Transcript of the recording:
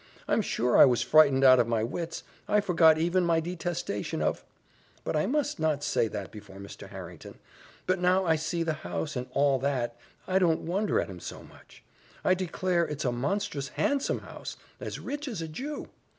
I'm sure I was frightened out of my wits I forgot even my detestation of But I must not say that before Mr. Harrington. But now I see the house, and all that, I don't wonder at him so much; I declare it's a monstrous handsome house as rich as a Jew!